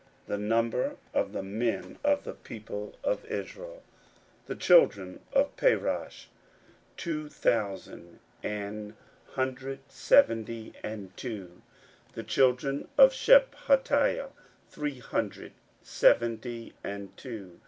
The number, I say, of the men of the people of Israel was this; 16:007:008 The children of Parosh, two thousand an hundred seventy and two. 16:007:009 The children of Shephatiah, three hundred seventy and two.